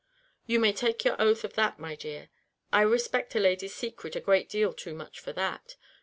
"You may take your oath of that, my dear. I respect a lady's secret a great deal too much for that.